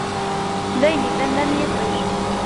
D ayen ibanen am yiṭij.